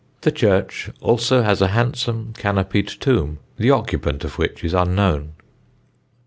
The church also has a handsome canopied tomb, the occupant of which is unknown.